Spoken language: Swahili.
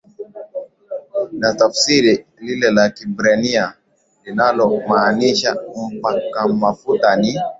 linatafsiri lile la Kiebrania linalomaanisha Mpakwamafuta ni